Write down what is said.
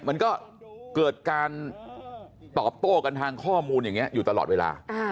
มันก็เกิดการตอบโต้กันทางข้อมูลอย่างนี้อยู่ตลอดเวลา